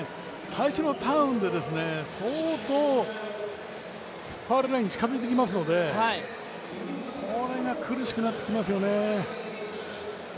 最初のターンで相当、ファウルラインに近づいてきますのでこれが苦しくなってきますよね。